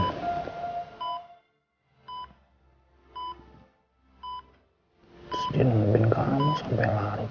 terus dia nungguin kamu sampai larut